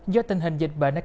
do tình hình dịch bệnh